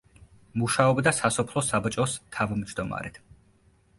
მუშაობდა სასოფლო საბჭოს თავმჯდომარედ.